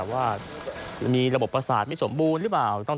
ว่ามีระบบประสาทไม่สมบูรณ์หรือเปล่า